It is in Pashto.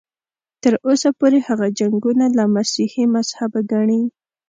تر اوسه پورې هغه جنګونه له مسیحي مذهبه ګڼي.